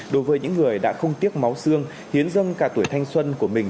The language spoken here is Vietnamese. đối với những người đã không tiếc máu xương hiến dâng cả tuổi thanh xuân của mình